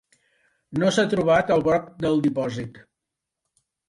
No s'ha trobat el broc del dipòsit.